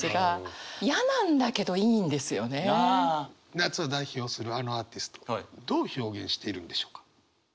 夏を代表するあのアーティストどう表現しているのでしょうか？